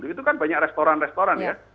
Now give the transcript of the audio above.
itu kan banyak restoran restoran ya